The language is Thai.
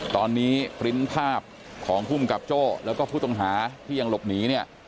ตอนนี้ปริ้นต์ภาพของภูมิกับโจ้แล้วก็ผู้ต้องหาที่ยังหลบหนีเนี่ย